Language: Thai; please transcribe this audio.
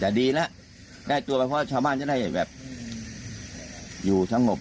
จะดีนะได้ตัวไปพอพวกชาวบ้านจะได้อยู่สม่วน